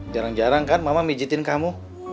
jarang jarang kan mama mijitin kamu